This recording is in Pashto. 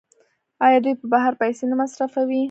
آیا دوی په بهر کې پیسې نه مصرفوي؟